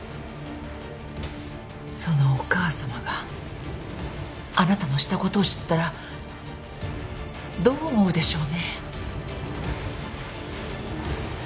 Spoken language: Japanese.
そのお母様があなたのした事を知ったらどう思うでしょうね？